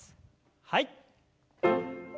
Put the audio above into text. はい。